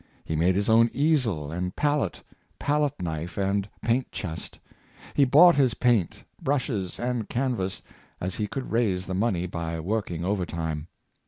He made his own easel and pal ette, palette knife, and paint chest; he bought his paint, brushes, and canvas, as he could raise the money by working over time.